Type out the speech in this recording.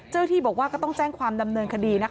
ที่บอกว่าก็ต้องแจ้งความดำเนินคดี